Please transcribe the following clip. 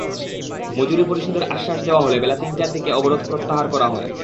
মজুরি পরিশোধের আশ্বাস দেওয়া হলে বেলা তিনটার দিকে অবরোধ প্রত্যাহার করা হয়।